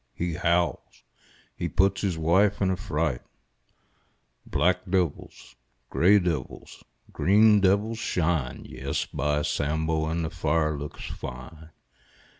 He howls. He puts his wife in a fright. Black devils, grey devils, green devils shine — Yes, by Sambo, And the fire looks fine!